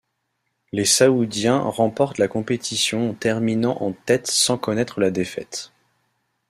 Les Saoudiens remportent la compétition en terminant en tête sans connaître la défaite.